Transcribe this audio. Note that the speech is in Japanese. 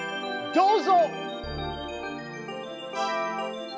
どうぞ！